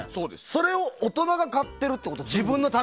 それを大人が買ってるってこと？